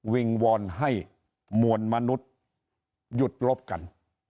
วิ่งวอนให้มวลมนุษยุทธ์รบกัน